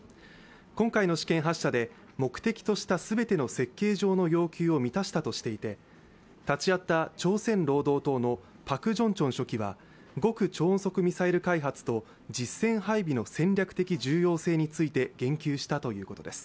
今回の試験発射で目的とした全ての設計上の要求を満たしたとしていて、立ち会った朝鮮労働党のパク・ジョンチョン書記は、極超音速ミサイル開発と実戦配備の戦略的重要性について言及したということです。